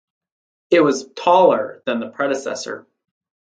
It was taller than the predecessor.